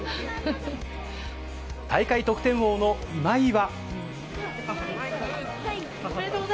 大会得点王の今井は。